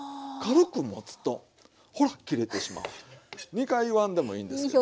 ２回言わんでもいいんですけど。